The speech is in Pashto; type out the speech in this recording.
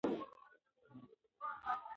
موټر چلونکي د خپل بخت او نصیب شکر ادا کړ.